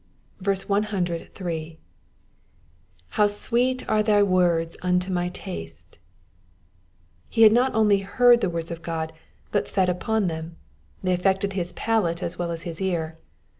103. ^'How sweet are thy words unto my taste P^ He had not only heard the words of God, but fed upon them : they affected his palate as well as his ear.